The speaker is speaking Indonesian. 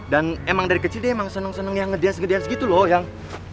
dan emang dari kecil dia emang seneng seneng yang ngedance ngedance gitu loh yang